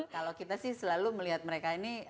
kalau kita sih selalu melihat mereka ini